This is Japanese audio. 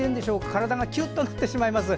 体がキュッとなってしまいます。